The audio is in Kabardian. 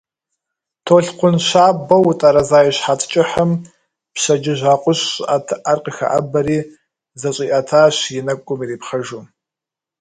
Толъкъун щабэу утӀэрэза и щхьэц кӀыхьым пщэдджыжь акъужь щӀыӀэтыӀэр къыхэӀэбэри зэщӀиӀэтащ, и нэкӀум ирипхъэжу.